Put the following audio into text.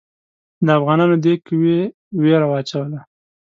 د افغانانو دې قوې وېره واچوله.